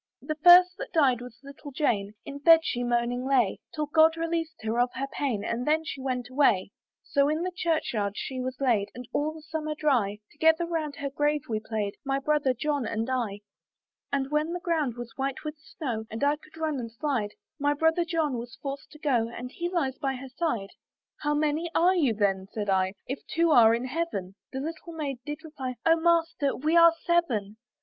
"The first that died was little Jane; "In bed she moaning lay, "Till God released her of her pain, "And then she went away. "So in the church yard she was laid, "And all the summer dry, "Together round her grave we played, "My brother John and I. "And when the ground was white with snow, "And I could run and slide, "My brother John was forced to go, "And he lies by her side." "How many are you then," said I, "If they two are in Heaven?" The little Maiden did reply, "O Master! we are seven."